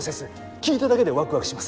聞いただけでワクワクします。